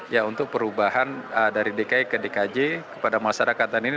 ya untuk perubahan dari dki ke dkj kepada masyarakat dan ini